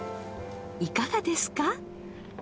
いかがですか？